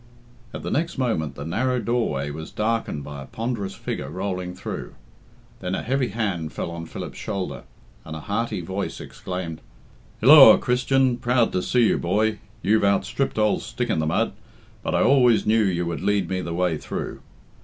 At the next moment the narrow doorway was darkened by a ponderous figure rolling through. Then a heavy hand fell on Philip's shoulder, and a hearty voice exclaimed, "Hilloa, Christian; proud to see you, boy! You've outstripped old stick in the mud; but I always knew you would lead me the way though....